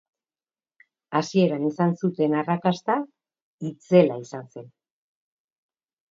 Hasieran izan zuen arrakasta itzela izan zen.